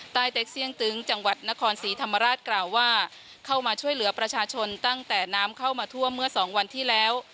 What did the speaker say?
เต็กเสี่ยงตึงจังหวัดนครศรีธรรมราชกล่าวว่าเข้ามาช่วยเหลือประชาชนตั้งแต่น้ำเข้ามาท่วมเมื่อสองวันที่แล้ว